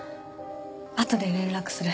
あとで連絡する。